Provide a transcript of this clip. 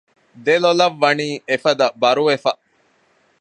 ދެލޮލަށް ވަނީ އެފަދަ ބަރުވެފަ